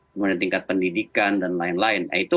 kemudian tingkat pendidikan dan lain lain